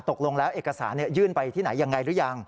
ตกลงแล้วเอกสารยื่นไปที่ไหนยังไงหรือยัง